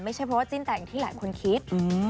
ไม่ใช่เพราะว่าจิ้นแต่อย่างที่หลายคนคิด